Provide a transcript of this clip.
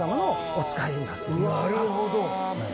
なるほど。